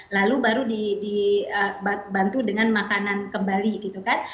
lalu baru dibantu dengan makanan kembali gitu kan